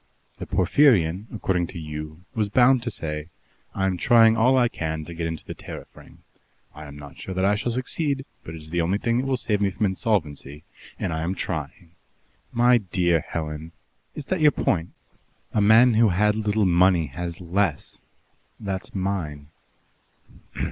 The Porphyrion, according to you, was bound to say, 'I am trying all I can to get into the Tariff Ring. I am not sure that I shall succeed, but it is the only thing that will save me from insolvency, and I am trying.' My dear Helen " "Is that your point? A man who had little money has less that's mine."